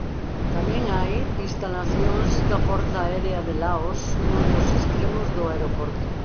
Tamén hai instalacións da Forza Aérea de Laos nun dos extremos do aeroporto.